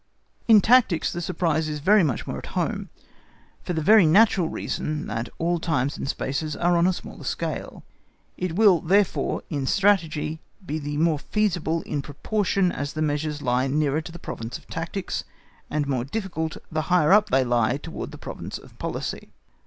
In tactics the surprise is much more at home, for the very natural reason that all times and spaces are on a smaller scale. It will, therefore, in Strategy be the more feasible in proportion as the measures lie nearer to the province of tactics, and more difficult the higher up they lie towards the province of policy.